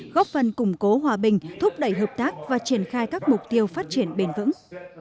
góp phần củng cố hòa bình thúc đẩy hợp tác và triển khai các mục tiêu phát triển bền vững